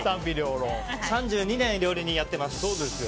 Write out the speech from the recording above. ３２年料理人やってます。